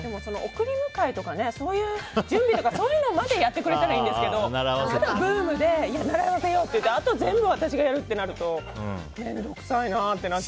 送り迎えとかそういう準備とかまでやってくれたらいいんですけどただブームで習わせようあと全部、私がやるってなると面倒くさいなってなる。